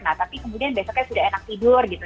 nah tapi kemudian besoknya sudah enak tidur gitu